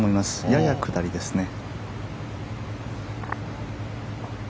やや下りですね。